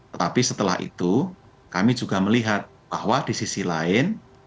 tetapi setelah itu kami juga melihat bahwa di sisi lain